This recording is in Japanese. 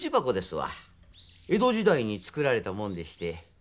江戸時代に作られたもんでして。